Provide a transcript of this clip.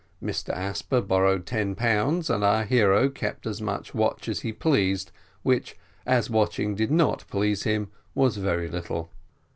Mr Asper borrowed ten pounds, and our hero kept as much watch as he pleased, which, as watching did not please him, was very little.